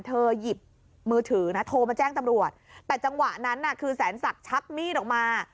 หยิบมือถือนะโทรมาแจ้งตำรวจแต่จังหวะนั้นน่ะคือแสนศักดิ์ชักมีดออกมา